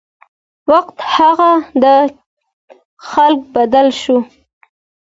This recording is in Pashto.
وخت هغه ده خلک بدل شوي